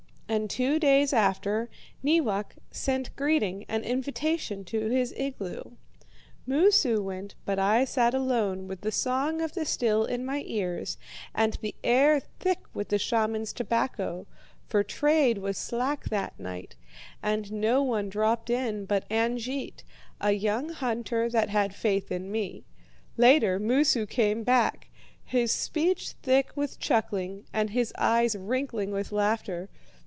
"And two days after, Neewak sent greeting and invitation to his igloo. Moosu went, but I sat alone, with the song of the still in my ears, and the air thick with the shaman's tobacco; for trade was slack that night, and no one dropped in but Angeit, a young hunter that had faith in me. Later, Moosu came back, his speech thick with chuckling and his eyes wrinkling with laughter.